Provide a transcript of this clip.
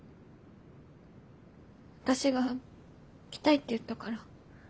私が来たいって言ったから。